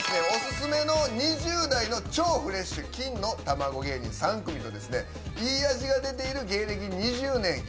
お薦めの２０代の超フレッシュ金の卵芸人３組とですねいい味が出ている芸歴２０年